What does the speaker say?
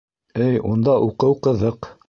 Эй унда уҡыу ҡыҙыҡ.